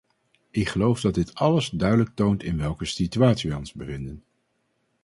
Ik geloof dat dit alles duidelijk toont in welke situatie wij ons bevinden.